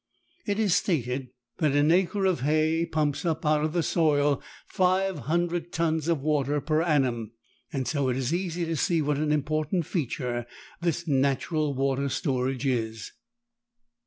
It is stated that an acre of hay pumps up out of the soil 500 tons of water per annum, so it is easy to see what an important feature this natural water storage is.